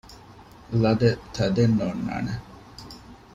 ލަދެއް ތަދެއް ނޯންނާނެ